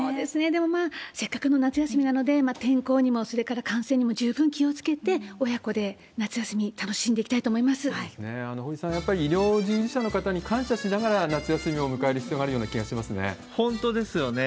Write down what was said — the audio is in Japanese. でも、せっかくの夏休みなので、天候にも、それから感染にも十分気をつけて、親子で夏休み、そうですね。堀さん、やっぱり医療従事者の方に感謝しながら、夏休みを迎える必要があるような気がしますよね。